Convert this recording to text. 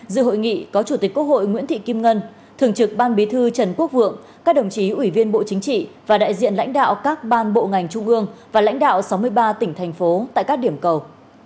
dự hội nghị có chủ tịch quốc hội nguyễn thị kim ngân thường trực ban bí thư trần quốc vượng các đồng chí ủy viên bộ chính trị và đại diện lãnh đạo các ban bộ ngành trung ương và lãnh đạo sáu mươi ba tỉnh thành phố tại các điểm cầu